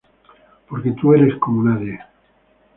Porque tú eres como nadie.